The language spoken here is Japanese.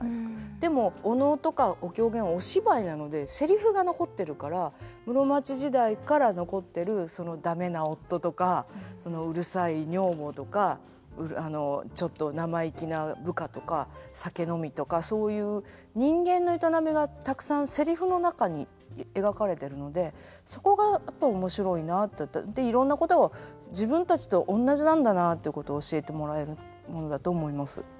でもお能とかお狂言お芝居なのでセリフが残ってるから室町時代から残ってるその駄目な夫とかうるさい女房とかちょっと生意気な部下とか酒飲みとかそういう人間の営みがたくさんせリフの中に描かれてるのでそこがやっぱり面白いなって。でいろんなことを自分たちとおんなじなんだなっていうことを教えてもらえるものだと思います。